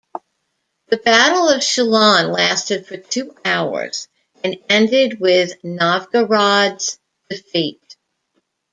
The Battle of Shelon lasted for two hours and ended with Novgorod's defeat.